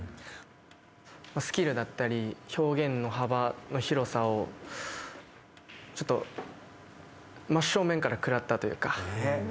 スキルだったり表現の幅の広さを真っ正面から食らったというか。